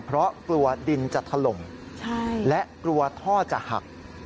เพราะกลัวดินจะถล่มและกลัวท่อจะหัก